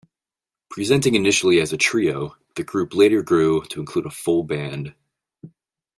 Presenting initially as a trio, the group later grew to include a full band.